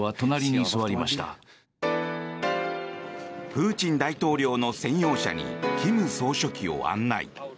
プーチン大統領の専用車に金総書記を案内。